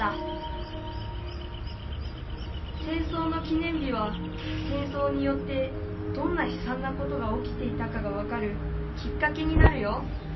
戦争の記念日は戦争によってどんなひさんなことが起きていたかが分かるきっかけになるよ。